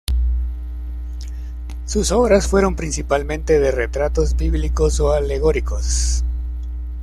Sus obras fueron principalmente de retratos bíblicos o alegóricos